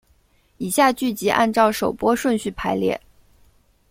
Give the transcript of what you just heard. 以下剧集按照首播顺序排列。